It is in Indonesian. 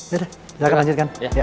ya udah silahkan lanjutkan